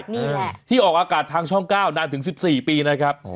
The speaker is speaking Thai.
นี่แหละที่ออกอากาศทางช่อง๙นานถึง๑๔ปีนะครับ